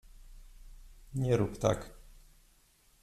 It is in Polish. Nie rób tak.